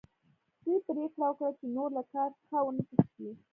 دوی پریکړه وکړه چې نور له کار څخه ونه تښتي